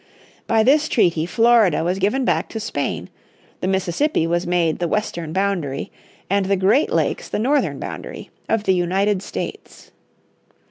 By this treaty Florida was given back to Spain, the Mississippi was made the western boundary, and the Great Lakes the northern boundary of the United States.